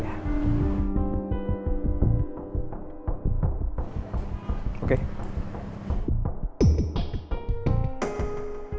agak besar kita yang lainnya